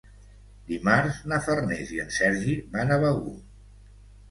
Dimarts na Farners i en Sergi van a Begur.